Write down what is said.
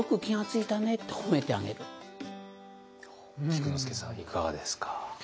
菊之助さんいかがですか？